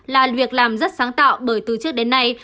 là việc làm rất sáng tạo bởi từ trước đến nay